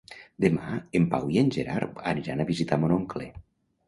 Demà en Pau i en Gerard aniran a visitar mon oncle.